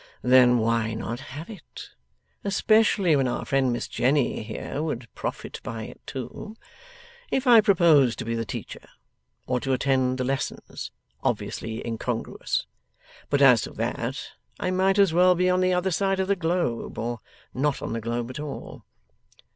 Then why not have it: especially when our friend Miss Jenny here would profit by it too? If I proposed to be the teacher, or to attend the lessons obviously incongruous! but as to that, I might as well be on the other side of the globe, or not on the globe at all.